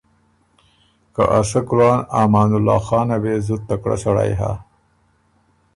که ا سۀ کُلان امان الله خانه وې زُت تکړۀ سړئ هۀ